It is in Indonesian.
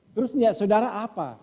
terus niat saudara apa